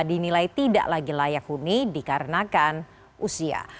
dinilai tidak lagi layak huni dikarenakan usia